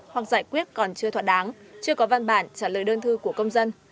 hoặc giải quyết còn chưa thoạt đáng chưa có văn bản trả lời đơn thư của công dân